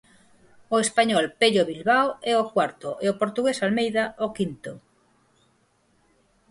O español Pello Bilbao é o cuarto e o portugués Almeida, o quinto.